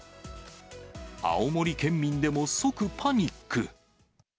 青森県民でも即パニック。